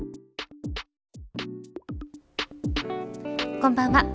こんばんは。